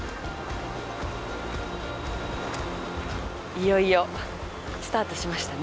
いよいよスタートしましたね。